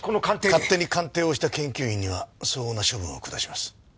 勝手に鑑定をした研究員には相応な処分を下します。